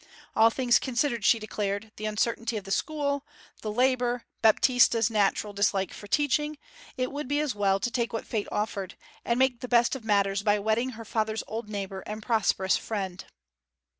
All things considered, she declared, the uncertainty of the school, the labour, Baptista's natural dislike for teaching, it would be as well to take what fate offered, and make the best of matters by wedding her father's old neighbour and prosperous friend.